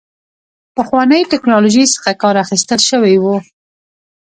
پخوانۍ ټکنالوژۍ څخه کار اخیستل شوی و.